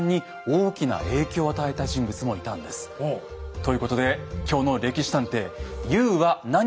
ということで今日の「歴史探偵」おい！